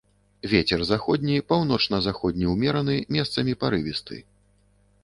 Вецер заходні, паўночна-заходні ўмераны, месцамі парывісты.